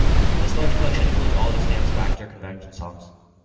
This large collection includes all of the Stamps-Baxter convention songs.